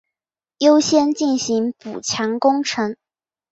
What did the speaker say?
优先进行补强工程